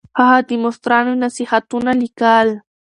هغه د مشرانو نصيحتونه ليکل.